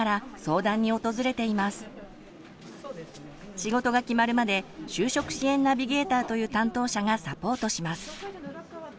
仕事が決まるまで「就職支援ナビゲーター」という担当者がサポートします。